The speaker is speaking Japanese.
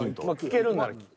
聞けるんなら。